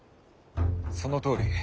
そのとおり。